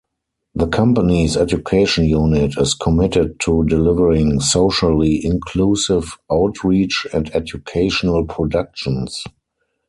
The company's education unit is committed to delivering socially inclusive outreach and educational productions.